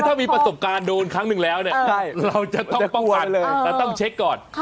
ถ้ามีประสบการณ์โดนครั้งหนึ่งแล้วเนี่ยเราจะต้องป้องกันเลยแต่ต้องเช็คก่อน